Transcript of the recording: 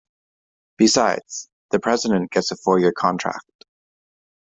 Besides, the President gets a four-year contract.